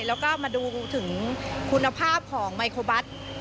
แล้วก็มาดูถึงคุณภาพของไมโครบัส